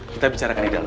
kita bicarakan di dalam